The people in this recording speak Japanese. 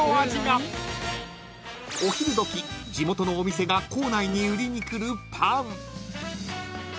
［お昼時地元のお店が校内に売りに来るパン］